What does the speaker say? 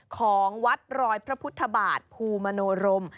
ของวัดรอยพระพุทธบาทภูมโนรม